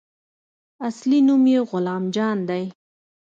اصلي نوم يې غلام جان دى.